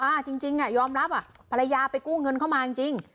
จริงอ่ะยอมรับอ่ะภรรยาไปกู้เงินเข้ามาจริง